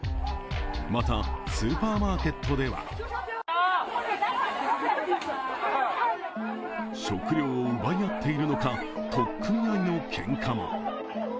また、スーパーマーケットでは食料を奪い合っているのか、取っ組み合いのけんかも。